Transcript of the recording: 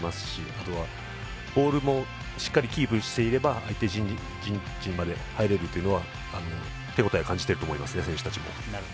あとは、ボールもしっかりキープしていれば相手陣地まで入れるというのは手応えを感じていると思います選手たちも。